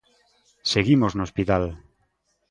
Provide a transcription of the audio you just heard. Seguimos no hospital.